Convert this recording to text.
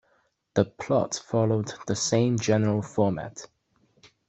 The plots followed the same general format.